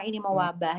ini mau wabah